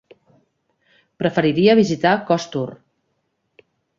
Preferiria visitar Costur.